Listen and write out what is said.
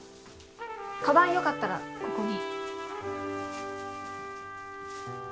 カバンよかったらここに。